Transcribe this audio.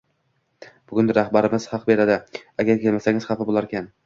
Bugun rahbarimiz haq beradi, agar kelmasangiz, xafa bo`larkan